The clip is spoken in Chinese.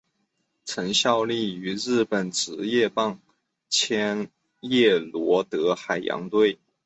曾经效力于日本职棒千叶罗德海洋队。